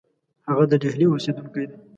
هغه د ډهلي اوسېدونکی دی.